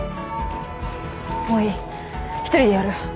もういい一人でやる。